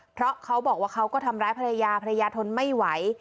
เพราะเขาบอกว่าเขาก็ทำร้ายภรรยาภรรยาทนไม่ไหว